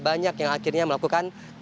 banyak yang akhirnya melakukan